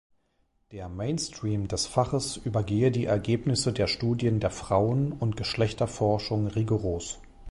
Der „Mainstream“ des Faches übergehe die Ergebnisse der Studien der Frauen- und Geschlechterforschung rigoros.